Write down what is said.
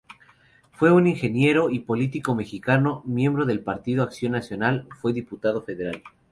Fue un ingeniero y político mexicano, miembro del Partido Acción Nacional, fue diputado federal.